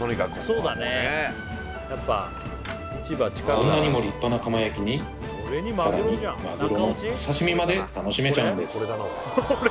こんなにも立派なカマ焼きにさらにマグロのお刺身まで楽しめちゃうんです